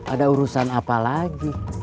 ada urusan apa lagi